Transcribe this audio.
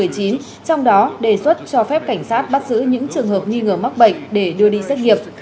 trong đó đề xuất cho phép cảnh sát bắt giữ những trường hợp nghi ngờ mắc bệnh để đưa đi xét nghiệm